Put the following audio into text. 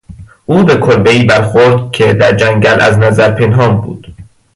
او به کلبهای برخورد که در جنگل از نظر پنهان بود.